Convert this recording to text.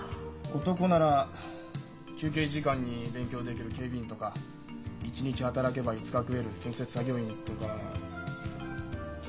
男なら休憩時間に勉強できる警備員とか１日働けば５日食える建設作業員とか。